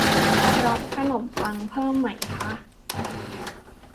รับขนมปังเพิ่มไหมคะ